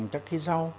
chắc cái rau